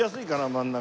真ん中。